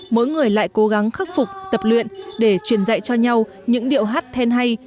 mỗi người lại cố gắng khắc phục tập luyện để truyền dạy cho nhau những điệu hát then hay